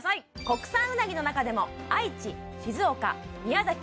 国産うなぎの中でも愛知静岡宮崎